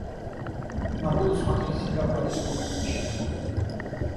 На воду смотреть всегда полезно и поучительно.